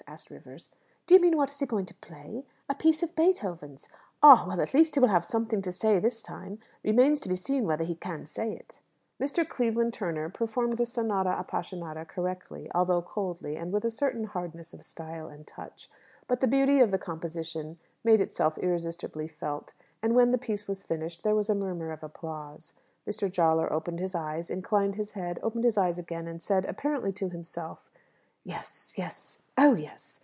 asked Rivers. "Do you mean what is he going to play? A piece of Beethoven's." "Ah! Well, at least he will have something to say this time. Remains to be seen whether he can say it." Mr. Cleveland Turner performed the sonata appassionata correctly, although coldly, and with a certain hardness of style and touch. But the beauty of the composition made itself irresistibly felt, and when the piece was finished there was a murmur of applause. Mr. Jawler opened his eyes, inclined his head, opened his eyes again, and said, apparently to himself, "Yes, yes oh yes!"